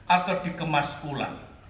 atau dikemas pulang